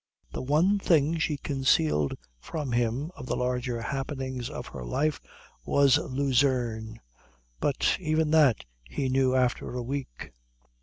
The one thing she concealed from him of the larger happenings of her life was Lucerne, but even that he knew after a week.